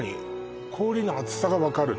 氷の厚さが分かるの？